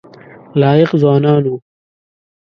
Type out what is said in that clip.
لایق ځوانان وو.